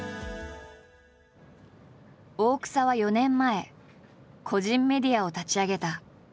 大草は４年前個人メディアを立ち上げた。